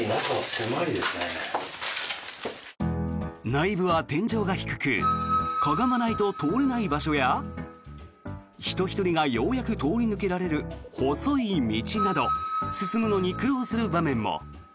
内部は天井が低くかがまないと通れない場所や人１人がようやく通り抜けられる細い道など進むのに苦労する場面も。